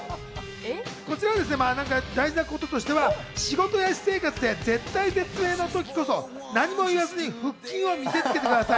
こちらですね、大事なこととしては、仕事や私生活で絶体絶命の時こそ何も言わずに腹筋を見せ付けてください。